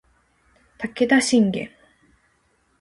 武田信玄